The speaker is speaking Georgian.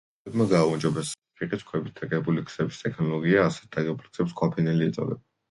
რომაელებმა გააუმჯობესეს რიყის ქვებით დაგებული გზების ტექნოლოგია; ასეთ დაგებულ გზებს ქვაფენილი ეწოდება.